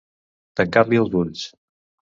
Tancar-li els ulls.